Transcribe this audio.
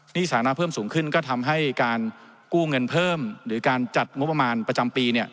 สถานะเพิ่มสูงขึ้นก็ทำให้การกู้เงินเพิ่มหรือการจัดงบประมาณประจำปี